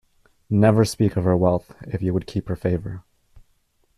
Never speak of her wealth, if you would keep her favour.